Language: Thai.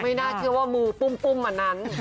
น่าเชื่อว่ามือปุ้มอันนั้น